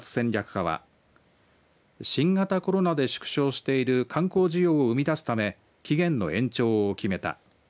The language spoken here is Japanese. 課は新型コロナで縮小している観光需要を生み出すため期限の延長を決めた。